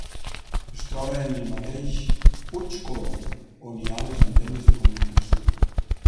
Es troba en el mateix Puig Colom, on hi ha les antenes de comunicació.